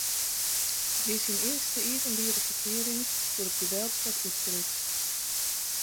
It wie syn earste iepenbiere ferklearring oer it geweld dat útbruts.